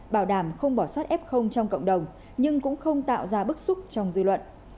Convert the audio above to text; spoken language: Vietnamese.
bảo đảm không bỏ sót f trong cộng đồng nhưng cũng không tạo ra bức xúc trong dư luận